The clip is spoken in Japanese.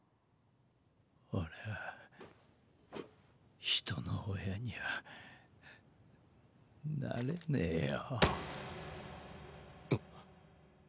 俺は人の親にはなれねぇよ。